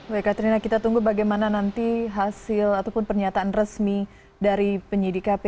baik katrina kita tunggu bagaimana nanti hasil ataupun pernyataan resmi dari penyidik kpk